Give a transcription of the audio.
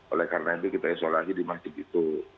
oleh karena itu kita isolasi di masjid itu